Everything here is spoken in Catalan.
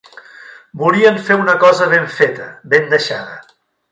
Volien fer una cosa ben feta, ben deixada